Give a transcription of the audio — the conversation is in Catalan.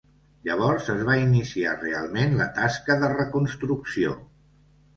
Llavors es va iniciar realment la tasca de reconstrucció.